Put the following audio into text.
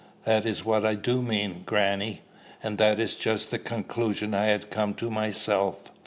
"That is what I do mean, grannie." "And that is just the conclusion I had come to myself."